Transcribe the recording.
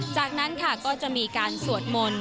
จากนั้นค่ะก็จะมีการสวดมนต์